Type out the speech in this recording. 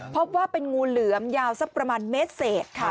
พบว่าเป็นงูเหลือมยาวสักประมาณเมตรเศษค่ะ